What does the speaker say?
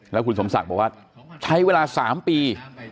แล้วคุณสมศักดิ์บอกว่าใช้เวลา๓ปี